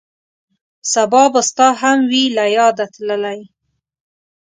سبا به ستا هم وي له یاده تللی